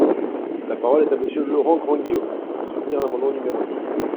La parole est à Monsieur Laurent Grandguillaume, pour soutenir l’amendement numéro six.